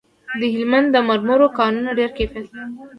د هلمند د مرمرو کانونه ډیر کیفیت لري